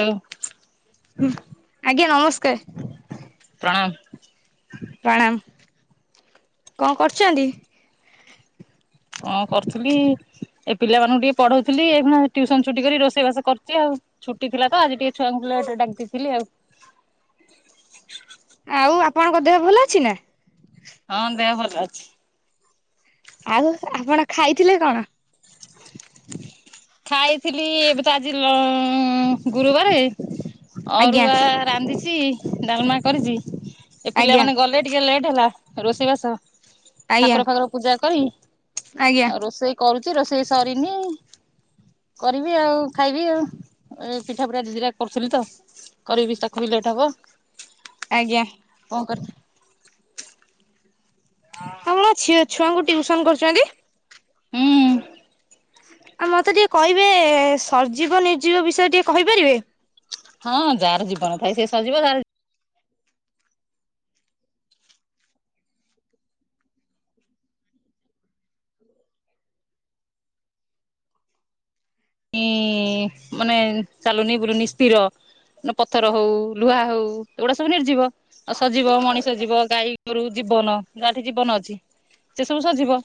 ଉଁ ହଁ ଆଜ୍ଞା ନମସ୍କାର। ପ୍ରଣାମ। ପ୍ରଣାମ କଣ କରୁଛନ୍ତି? ହଁ କରୁଥିଲି ଏଇ ପିଲାମାନଙ୍କୁ ଟିକେ ପଢଉଥିଲି [unintelligible] ଟିୟୁସନ ଛୁଟି କରିକି ରୋଷେଇବାସ କରୁଛି ଆଉ। ଛୁଟି ଥିଲା ତ ଆଜି ଟିକେ ଛୁଆଙ୍କୁ ଲେଟରେ ଡାକି ଦେଇଥିଲି ଆଉ। ଆଉ ଆପଣଙ୍କ ଦେହ ଭଲ ଅଛି ନା? ହଁ ଦେହ ଭଲ ଅଛି। ଆଉ ଆପଣ ଖାଇଥିଲେ କଣ? [unintelligible] ଖାଇଥିଲି ଏବେ ତ ଆଜି ଗୁରୁବାରେ। ଆଜ୍ଞା ଅରୁଆ ରାନ୍ଧିଚି ଡାଲମା କରିଚି ଏ ଆଜ୍ଞା ପିଲାମାନୋନ ଗଲେ ଟିକେ ଲେଟ୍। ହେଲା ରୋଷେଇ ବାସ ଆଜ୍ଞା ଠାକୁର ଫାକୁର ପୂଜା କରି ଆଜ୍ଞା ଆଉ ରୋଷେଇ କରୁଚି ରୋଷେଇ ସରିନି କରିବି ଆଉ ଖାଇବି ଆଉ। ଏ ପିଠା ପିରା ଦିଇ ଦିଇଟା କରୁଥିଲି ତ କରିବି ତାକୁ ବି ଲେଟ୍ ହବ। ଆଜ୍ଞା। କଣ କରୁ ଆପଣ ପା ଛି ଛୁଆଙ୍କୁ ଟିଉସନ କରୁଚନ୍ତି? ହୁଁ। ଆଉ ମତେ ଟିକେ କହିବେ ସର୍ଜିବ ନିର୍ଜୀବ ବିଷୟରେ ଟିକେ କହିପାରିବେ? ହଁ ଯାହାର ଜୀବନ ଥାଏ ସଜିବ ଯାହାର ଇଁ ମାନେ ଚାଲୁନି ବୁଲନି ସ୍ଥିର। ପଥର ହୋଉ ଲୁହା ହୋଉ ଏଗୁଡା ସବୁ ନିର୍ଜିବ ଆଉ ସଜିବ ମଣିଷ ଜୀବ ଗାଈ ଗୋରୁ ଜୀ ବନ ଯାହାଠି ଜୀବନ ଅଛି ସେ ସବୁ ସଜିବ।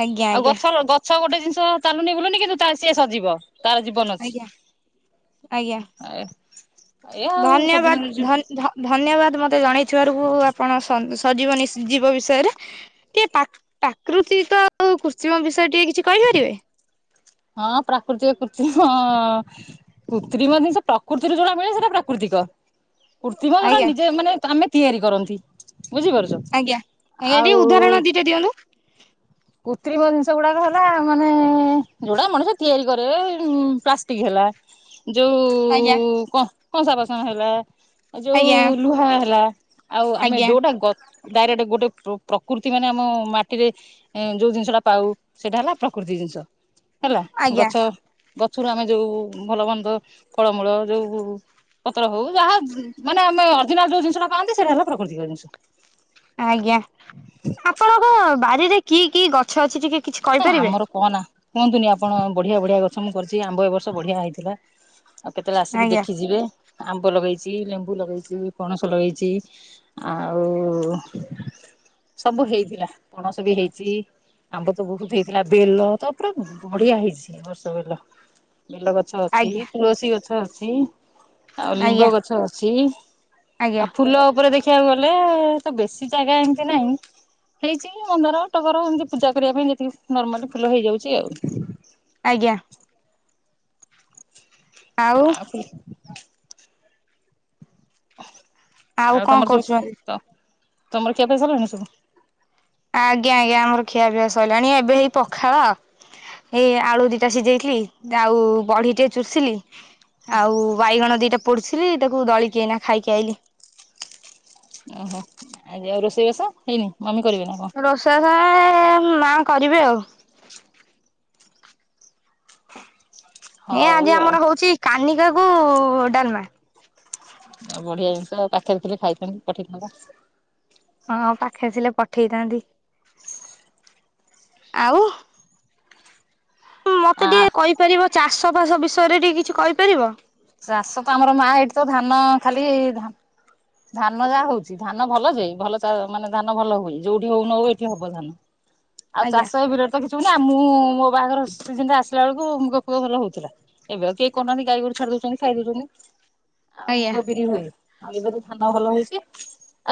ଆଜ୍ଞା ଆଉ ଆଜ୍ଞା ଗଛ ଗଛ ଗୋଟେ ଜିନିଷ ଚାଲୁନି ବୁଲୁନି କିନ୍ତୁ ସିଏ ସଜିବ। ତାର ଜୀବନ ଅଛି। ଆଜ୍ଞା ଆଜ୍ଞା। ଏ ଆଉ ଧନ୍ୟବାଦ ସଜିବ ନିର୍ଜିବ ଧ-ଧ-ଧନ୍ୟବାଦ ମତେ ଜଣେଇ ଥିବାରୁ ଆପଣ ସଜୀବ ନିଶ ଜୀବ ବିଷୟରେ ଟିକେ ପ୍ରା-ପ୍ରାକୃତିକ ଆଉ କୃତ୍ରିମ ବିଷୟରେ ଟିକେ କିଛି କହି ପାରିବେ। ହ ହଁ ପ୍ରାକୃତିକ କୃତ୍ରିମ ହଁ କୃତ୍ରିମ ଜିନିଷ ପ୍ରକୃତିରୁ ଜଣା ପଡିବ ସେଟା ପ୍ରାକୃତିକ। କୃତ୍ରିମ ଯୋଉଟା ଆଜ୍ଞା ନିଜେ ମାନେ ଆମେ ତିଆରି କରନ୍ତି। ବୁଝିପାରୁଚ ଆଜ୍ଞା ଆଜ୍ଞା ଟିକେ ଆଉ ଉଦାହରଣ ଦିଟା ଦିଅନ୍ତୁ କୃତ୍ରିମ ଜିନିଷ ଗୁଡାକ ହେଲା ମାନେ ଯୋଉଡା ମଣିଷ ତିଆରି କରେ ଏ ପ୍ଲାଷ୍ଟିକ ହେଲା ଆଜ୍ଞା। ଯୋଉ କଂସା ବାସନ ହେଲା ଯୋଉ ଆଜ୍ଞା ଲୁହା ହେଲା ଆଉ ଆମେ ଆଜ୍ଞା ଯୋଉଟା ଗ ଡାଇରେକ୍ଟ ଗୋଟେ ପ-ପ୍ରକୃତି ମାନେ ଆମ ମାଟିରେ ଯୋଉ ଜିନିଷ ଟା ପାଉ ସେଇଟା ହେଲା ପ୍ରାକୃତି ଜିନିଷ ହେଲା ଆଜ୍ଞା ଗଛ ଗଛରୁ ଆମେ ଯୋଉ ଭଲ ମନ୍ଦ ଫଳମୂଳ ଯୋଉ ପତ୍ର ହୋଉ ଯାହା ମାନେ ଆମେ ଅର୍ଜିନାଲ ଯୋଉ ଜିନିଷଟା ପାଆନ୍ତି ସେଇଟା ହେଲା ପ୍ରାକୃତିକ ଜିନିଷ। ଆଜ୍ଞା ଆପଣଙ୍କ ବାରିରେ କି କି ଗଛ ଅଛି ଟିକେ କିଛି ଏ କହିପାରିବେ? ଆମର କହନା କୁହନ୍ତୁନି ଆପଣ ବଢିଆ ବଢିଆ ଗଛ ମୁଁ କରିଚି ଆମ୍ବ ଏ ବର୍ଷ ବଢିଆ ହେଇଥିଲା। ଆଉ କେତେବେଳେ ଆସିକି ଆଜ୍ଞା ଦେଖି ଯିବେ। ଆମ୍ବ ଲଗେଇଚି ଲେମ୍ବୁ ଲଗେଇଚି ପଣସ ଲଗେଇଚି ଆଉ ସବୁ ହେଇଥିଲା ପଣସ ବି ହେଇଚି ଆମ୍ବ ବୋହୁତ ହେଇଥିଲା ବେଲ ତ ପୁରା ବଢିଆ ହେଇଚି ଏ ବର୍ଷ ବେଲ। ବେଲ ଗଛ ଅଛି। ଆଜ୍ଞା ତୁଳସୀ ଗଛ ଅଛି। ଆଉ ଲିମ୍ବ ଆଜ୍ଞା ଗଛ ଅଛି। ଆଉ ଆଜ୍ଞା ଫୁଲ ଉପରେ ଦେ ଖିବାକୁ ଗଲେ ତ ବେଶୀ ଜାଗା ଏମତି ନାହିଁ ହେଇଚି ମନ୍ଦାର ଟଗର ଏମତି ପୂଜା କରିବା ପାଇଁ ଯେତିକି ନର୍ମାଲି ଫଲ ହେଇଯାଉଚି ଆଉ। ଆଜ୍ଞା। ଆଉ [unintelligible] ଆଉ କଣ ତମର ସବୁ କରୁଛନ୍ତି? ତ-ତମର ଖିଆପିଆ ସରିଲାଣି ସବୁ? ଆଜ୍ଞା ଆଜ୍ଞା ଆମର ଖିଆପିଆ ସରିଲାଣି ଏବେ ହେଇ ପଖାଳ ଏଇ ଆଳୁ ଦିଟା ସିଝେଇଥିଲି ଆଉ ବଢିଟେ ଚୁରିଥିଲି। ଆଉ ବାଇଗଣ ଦିଟା ପୋଡୁଥିଲି ତାକୁ ଦଳିକି ଏଇନା ଖାଇକି ଆଇଲି। ଓହୋ ଆଉ ରୋଷେଇବାସ ହେଇନି ମମି କରିବେ ନା କଣ? ରୋଷେଇ ମା କରିବେ ଆଉ [inaudible] ଏ ହଉ ଆଜି ଆଉ ଆମର ହଉଛି କାନିକା କୁ ଡାଲମା। ଆଉ ବଢିଆ ଜିନିଷ ପାଖରେ ଥିଲେ ଖାଇଥାନ୍ତି ପଠେଇଥାନ୍ତ। ହଁ ଆଉ ପାଖେରେ ଆସିଲେ ପଠେଇଥାନ୍ତି। ଆଉ ଆ ମତେ ଟିକେ କହିପାରିବ ଚାଷ ବାସ ବିଷୟରେ ଟିକେ କିଛି କହିପାରିବ? ଚାଷ ତ ଆମର ମା ଏଇଠି ତ ଧାନ ଖାଲି ଧାନ ଧାନ ଯାହା ହଉଛି ଧାନ ଭଲ ଯାଇ ଭଲ ଚା ମାନେ ଧାନ ଭଲ ହୁଏ। ଯୋଉଠି ହଉନ ହଉ ଏଠି ହବ ଧାନ ଆଉ ଆଜ୍ଞା ଚାଷ ଏ ବିଲରେ ତ କହିମିନା ମୁଁ ମୋ ବାହାଘର ସିିଜିନ ରେ ଆସିଲା ବେଳକୁ ମୁଗ ଫୁଗ ଭଲ ହଉଥିଲା ଏବେ ଆଉ କେହି କରହୁନାହାନ୍ତି ଗାଈଗୋରୁ ଛା ଉଛନ୍ତି ଖାଇ ଦଉଛନ୍ତି ଆଉ ମୁଗ ବିରି ହୁଏ ଆଉ ଏବେ ତ ଧାନ ଭଲ ହଉଛି।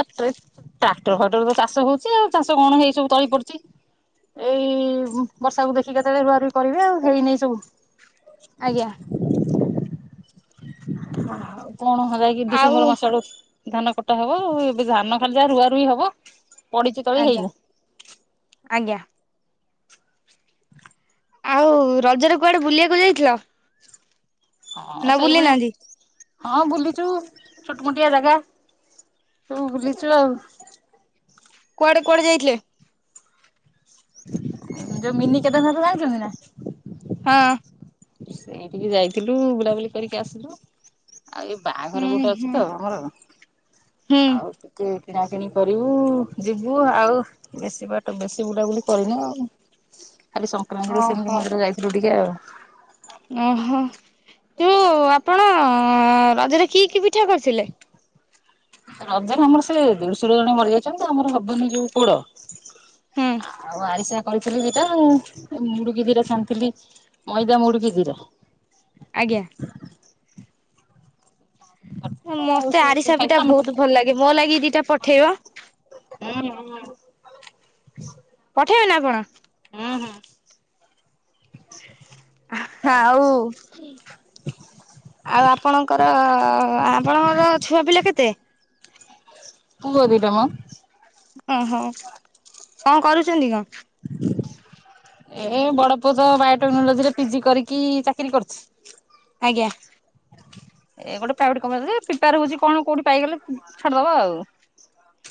ଆଉ ଟ୍ରେ ଟ୍ରାକ୍ଟର ଫାଟର ତ ଚାଷ ହଉଛି ଆଉ ଚାଷ କଣ ହେଇ ସବୁ ତଳି ପଡିଛି ଏଇ ବର୍ଷାକୁୁ ଦେଖି କେତେଳେ ରୁଆରୁଈ କରିବେ ଆଉ ହେଇନହିଁ ସବୁ ଆଜ୍ଞା କଣ ଯାଇକ ଆଉ ଡିସେମ୍ବର ମାସ ଆଡୁ ଧାନ କଟା ହବ ଏବେ ଧାନ ଖାଲି ଯା ରୁଆ ରୁଇ ହବ। ପଡିଛି ତଳି ହେଇନି। ଆଜ୍ଞା ଆଉ ରଜରେ କୁଆଡେ ବୁଲିବାକୁ ଯାଇଥିଲ? ହଁ ନା ବୁଲି ସେଇଭଳିଆ ନାହାନ୍ତି? ହଁ ବୁଲିଛୁ ଛୋଟମୋଟିଆ ଜାଗା ସବୁ ବୁଲିଛ ଆଉ କୁଆଡେ କୁଆଡେ ଯାଇଥିଲେ? ଯୋଉ ମିନି କେତେନ ଯାଇଛନ୍ତି ନା? ହଁ। ସେଇଠିକି ଯାଇଥିଲୁ ବୁଲାବୁଲି କରିକି ଆସିଲୁ। ଆଉ ଏଇ ବାହାଘର ହୁଁ ଗୋଟେ ଅଛି ହୁଁ ତ ଆମର ହୁଁ ଆଉ ଟିକେ କିଣାକିଣି କରିବୁ ଯିବୁ ଆଉ ବେଶୀ ବାଟ ବେଶୀ ବୁଲାବୁଲି କରିନୁ ଆଉ ଖାଲି ସଂକ୍ରାନ୍ତିରେ ସେମିତି ଓହୋ ମନ୍ଦିର ଯାଇଥିଲୁ ଟିକେ ଆଉ ଓହୋ। ତୁ ଆପଣ ରଜରେ କି କି ପିଠା କରିଥିଲେ? ରଜରେ ଆମର ସେ ଦେଢଶୁର ଜନ ମରିଯାଇଛନ୍ତି ଆମର ହବନି ଯୋଉ ପୋଡ। ହୁଁ ଆଉ ଆରିଶା କରିଥିଲି ଦିଇଟା ମୁଡିକି ଦିରେ ଛାଣିଥିଲି ମଇଦା ମୁଡିକି ଦିଟା। ଆଜ୍ଞା ଆଉ ମତେ ସେ ସବୁ ଆରିସା ଖାଇଥିଲୁ ପିଠା ଆମର ତ ବହୁତ ହୁଁ ଭଲ ଲାଗେ ମୋ ଲାଗି ଦିଟା ପଠେଇବ। ହୁଁ [inaudible] ପଠେଇବେ ନା କଣ? ହୁଁ ହୁଁ। ହୋଉ ଆଉ ଆପଣଙ୍କର ଆପଣଙ୍କର ଛୁଆ ପିଲା କେତେ? ପୁଅ ଦିଟା ମ ଓହୋ କଣ କରୁଛନ୍ତି କଣ? [inaudible] ଏ ବଡ ପୁଅ ତ ବାୟୋଟେକ୍ନୋଲୋଜି ରେ ପିଜି କରିକି ଚାକିରି କରିଛି। ୟା ଏ ଗୋଟେ ପ୍ରାଇଭେଟ କ ପ୍ରିପାର ହୋଉଛି କଣ କୋଉଠି ପାଇଗଲେ ଛାଡି ଦବ ଆଉ।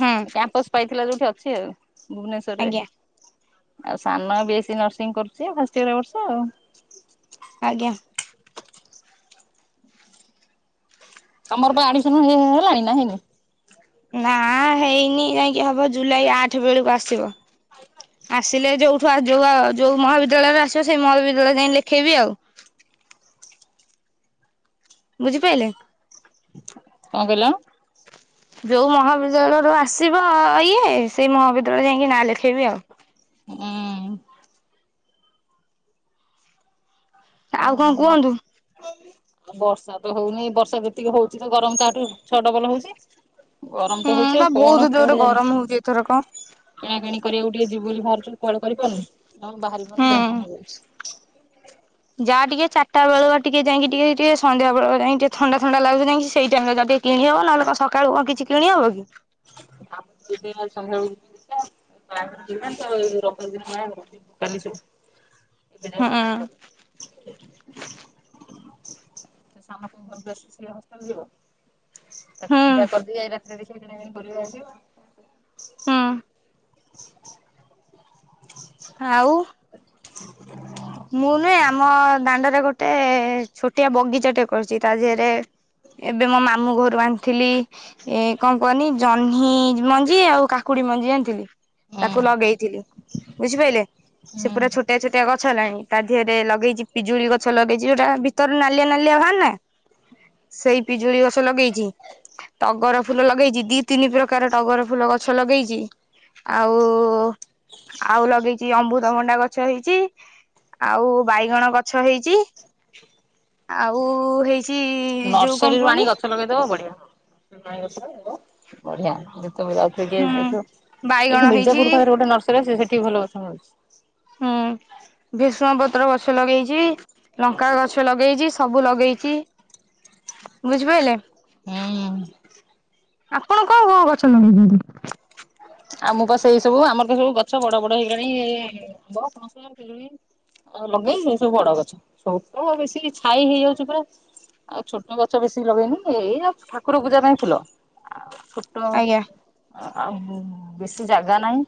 ହଁ କ୍ୟାମ୍ପସ ପାଇଥିଲା ଯୋଉଠି ଅଛି ଆଉ ଭୁବନେଶ୍ଵରରେ ଆଜ୍ଞା ଆଉ ସାନ ବି ନର୍ସିଂ କରୁଛି ଫାଷ୍ଟ ଇୟର ଏ ବର୍ଷ ଆଉ ଆଜ୍ଞା। ତମର ପା ଆଡିମିସନ ହବ ନା ହେଇନି? ଯାଇଁକି ହବ ଜୁଲାଇ ଆଠ ବେଳକୁ ଆସିବ। [inaudible] ଆସିଲେ ଯୋଉଠୁ ଯୋଉ ଆଉ ଯୋଉ ମହାବିଦ୍ୟାଳୟରେ ଆସିବ ସେଇ ମହାବିଦ୍ୟାଳୟ ଯାଇ ଲେଖେଇବି ଆଉ। [inaudible] ବୁଝିପାଇଲେ? କଣ କହିଲ? ଯୋଉ ମହାବିଦ୍ୟାଳୟରୁୁ ଆସିବ ଇଏ, ସେଇ ମହାବିଦ୍ୟାଳୟରେ ଯାଇକି ନାଁ ଲେଖେଇବି ଆଉ। ହୁଁ। ଏ ଆଉ କଣ ବ। କୁହନ୍ତୁ [unintelligible] ଆଉ ବର୍ଷା ତ ହଉନି। ବର୍ଷା ଯେତିକି ହଉଛି ତ ଗରମ ତାହାଠୁ ଛ ଡବଲ ହଉଛି। ଗରମ ହୁଁ ତ ହଉଛ ବା ବହୁତ କଣ ଜୋରରେ କୁଆଡେ ଯାଏ ଗରମ ହଉଛି ଏଥରକ କିଣାକିଣି କରିବାକୁ ଟିକେ ଯିବୁ ବୋଲି ବାହାରିଚୁ ବୋଲି କୁଆଡେ କରି ପାରୁନୁ। ଆମେ ବାହାରିବୁ ହୁଁ। ମାନେ ଦେହ କଣ ହେଇଯାଉଛି। ଯାହା ଟିକେ ଚାରିଟା ବେଳୁଆ ଟିକେ ଯାଇକି ଟିକେ ଟିକେ ସନ୍ଧ୍ୟାବେଳେ ଯାଇ ଟିକେ ଥଣ୍ଡା ଥଣ୍ଡା ଲାଗୁଚି ଟିକେ ସେଇ ଟାମରେ କିଣିହବ। ନହେଲେ କଣ ସକାଳୁ କଣ କିଛି କିଣି ହବ କି? ଆଉ ଯିବି ଆଜି [unintelligible] ଏବେ ଯାଏଁ ମୁଁ କିଛି ହୁଁ କରିନି। ସାନ ପୁଅ ଘରକୁ ଆସିଛି ଯେ ହଷ୍ଟେଲ ଯିବ। ହୁଁ। [unintelligible] ହୁଁ ଆଉ ମୁଁ ନୁହେଁ ଆମ ଦାଣ୍ଡରେ ଗୋଟେ ଛୋଟିଆ ବଗିଚାଟେ କରିଛି। ତା ଦେହରେ ଏବେ ମୋ ମାମୁଁ ଘରୁ ଆଣିଥିଲି। ଏ କଣ କୁହନି ଜହ୍ନି ମଞ୍ଜି ଆଉ କାକୁଡି ମଞ୍ଜି ଆଣିଥିଲି। ତାକୁ ଆଉ। ଲଗେଇଥିଲି। ବୁଝିପାରିଲେ, ସେ ପୁରା ହୁଁ ଛୋଟିଆ ଛୋଟିଆ ଗ ଗଛ ହେଲାଣି ତା ଦେହରେ ଲଗେଇଛି ପିଜୁଳି ଗଛ ଲଗେଇଛି ଯୋଉଟା ଭିତରେ ନାଲିଆ ନାଲିଆ ବାହାରୁନେ ସେଇ ପିଜୁଳି ଗଛ ଲଗେଇଛି। ଟଗର ଫୁଲ ଲଗେଇଛି ଦି ତିନି ପ୍ରକାର ଟଗର ଫୁଲ ଗଛ ଲଗେଇଛି। ଆଉ ଆଉ ଲଗେଇଛି ଅମୃତଭଣ୍ଡା ଗଛ ହେଇଛି। ଆଉ ବାଇଗଣ ଗଛ ହେଇଛି। ଆଉ ହେଇ ନର୍ସରୀରୁୁ ଆଣି ଗଛ ଲଗେଇଦବ ବଢିଆ। ବଢିଆ ତମେ ଯାଉଥିବ କିଏ ହୁଁ ଏଇଠୁ। ବାଇଗଣ ଏଇଠୁ ହେଇଛି ମିର୍ଜାପୁର ପାଖରେ ଗୋଟେ ନର୍ସରୀ ଅଛି ସେଠି ବି ଭଲ ଗଛ ମିଳୁଛି। [unintelligible] ଭେରଶୁଙ୍ଗା ପତ୍ର ଗଛ ଲଗେଇଛି, ଲଙ୍କା ଗଛ ଲଗେଇଛି ସବୁ ଲଗେଇଛି। ବୁଝିପାରିଲେ ହୁଁ। ଆପଣ କଣ କଣ ଗଛ ଲଗେଇଛନ୍ତି? ଆ ମୁଁ ପା ସେଇ ସବୁ ଆମର ତ ସବୁ ଗଛ ବଡ ବଡ ହେଇଗଲାଣି। ଆମ୍ୱ, ପଣସ, ପିଜୁଳି ଆଉ ଲଗେଇ ସବୁ ବଡ ଗଛ ଛୋଟ ବେଶୀ ଛାଇ ହେଇଯାଉଛି ପୁରା। ଆଉ ଛୋଟ ଗଛ ବେଶୀ ଲଗେଇନି ଯେ, ଏଇଆ ଠାକୁର ପୂଜା ପାଇଁ ଫୁଲ ଟୋ ଆଜ୍ଞା ବେଶୀ ଜାଗା ନାହିଁ।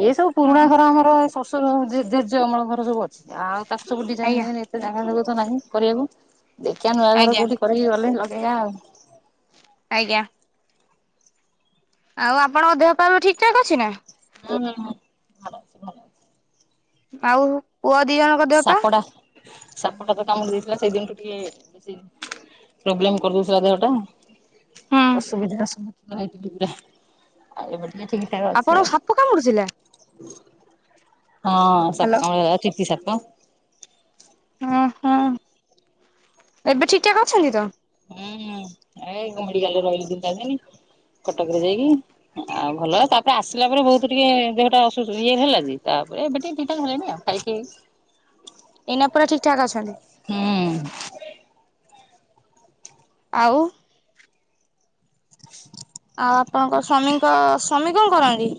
ଏ ସବୁ ପୁରୁଣା ହଁ ଘର ଆମର ଶଶୁର ଜେଜେ ଅମଳ ଘର ସବୁ ଅଛି। ଆଉ [unintelligible] ଆଜ୍ଞା ଏତେ ଜାଗା ଜାଗା ତ ନାହିଁ କରିବାକୁ। ଦେଖିବା ନୂଆ ଘର ଆଜ୍ଞା କୋଉଠି କରକି ଗଲେ। [unintelligible] ଆଜ୍ଞା। ଆଉ ଆପଣଙ୍କ ଦେହ ପା ଠିକ୍ ଠାକ୍ ଅଛି ନା? ହୁଁ ହୁଁ ହୁଁ ଭଲ ଅଛି ଭଲ ଅଛି।। ଆଉ ପୁଅ ଦି ଜଣଙ୍କ ଦେହ ପା ସାପଟା ସାପଟା ତ କାମୁଡ଼ି ଦେଇଥିଲା ସେଇ ଦିନୁଠୁ ଟିକେ ବେଶି ପ୍ରୋବ୍ଲେମ କରିଦଉଥିଲା ଦେହ ଟା। ହୁଁ ଅସୁବିଧାର ସମ୍ମୁଖୀନ ହେଇଥିଲି ପୁରା। ଆ ଏବେ ଟିକେ ଠିକ ଠାକ ଅଛି ଆପଣ ଆଉ କୁ ସାପ କାମୁଡିଥିଲା! ହଁ ସପ କାମ କାମୁଡ଼ି ଥିଲା ଚିତି ସାପ। ଓହୋ। ଏବେ ଠିକଠାକ୍ ଅଛନ୍ତି ତ? ହୁଁ ଏ ମେଡିକାଲ ରେ ରହିଲି ଦି ଚାରି ଦିନି। କଟକରେ ଯାଇକି। ଆଉ ଭଲ ତାପରେ ଆସିଲା ପରେ ବହୁତ ଟିକେ ଦେହ ଟା ଅସୁ ଇଏରେ ହେଲା ଯେ ତା ଏବେ ଟିକେ ଠିକଠାକ୍ ହେଲେଣିି ଆଉ ଖାଇକି ଏଇନା ପରା ଠିକଠାକ୍ ଅଛନ୍ତି। ହୁଁ ଆଉ। ଆଉ ଆପଣଙ୍କ ସ୍ଵାମୀଙ୍କ ସ୍ଵାମୀ କଣ କରନ୍ତି?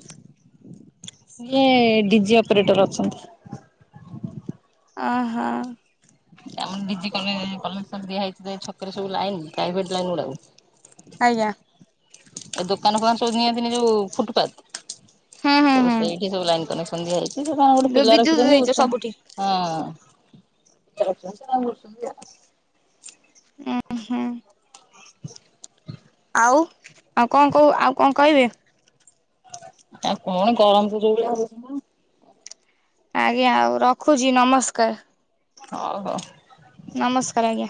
ଇଏ ଡି ଜି ଅପରେଟର ଅଛନ୍ତି। ଅହ। ଆମ ଡି ଜି କଲେଜ କନେକ୍ସନ ଦିଆ ହେଇଛି ଛକରେ ସବୁ ଲାଇନ ପ୍ରାଇଭେଟ ଲାଇନ ଗୁଡାକୁ। ଆଜ୍ଞା। ଏ ଦୋକାନ ଫୋକାନ ସବୁ ନିଅନ୍ତିନି ଯୋଉ ଫୁଟପାଥ ହୁଁ ହୁଁ ହୁଁ ସେଇଠି ସବୁ ଲାଇନ କନେ ଦିଆ ହେଇଛି ସେ ତାଙ୍କର ଗୋଟେ ଯୋଉ ପିଲା ବିଦ୍ୟୁତ ରଖିଛନ୍ତି ଦେଇଛ ସବୁଠି। ବୁଝୁଛନ୍ତି ହଁ। [inaudible] ଏ ହଁ। [unintelligible] ଆଉ କଣ କହୁ ଆଉ କଣ କହିବେ? ଆଉ କଣ ଗରମ ତ ଯଉ ଭଳିଆ ହୋଉଛିନା। ଆଜ୍ଞା ଆଉ ରଖୁଛି ନମସ୍କାର। ହଉ ହଉ। ନମସ୍କାର ଆଜ୍ଞା।